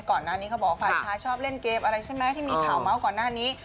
ก่อนหน้านี้เขาบอกว่าฝ่ายช้าชอบเล่นเกมอะไรใช่ไหมที่มีข่าวเมาะก่อนหน้านี้